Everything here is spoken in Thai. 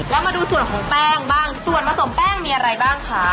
แล้วมาดูส่วนของแป้งบ้างส่วนผสมแป้งมีอะไรบ้างคะ